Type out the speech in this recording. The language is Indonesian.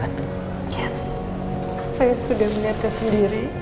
kamu paham gak ada kenapa